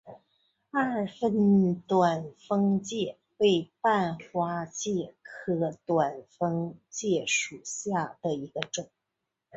二分短蜂介为半花介科短蜂介属下的一个种。